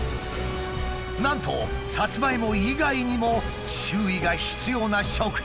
なんとサツマイモ以外にも注意が必要な食品があるという。